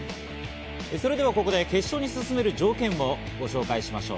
それではここで決勝に進める条件をご紹介しましょう。